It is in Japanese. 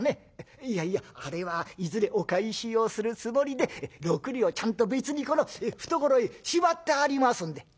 「いやいやあれはいずれお返しをするつもりで６両ちゃんと別にこの懐へしまってありますんで」。